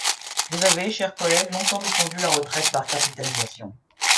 Vous avez, chers collègues, longtemps défendu la retraite par capitalisation.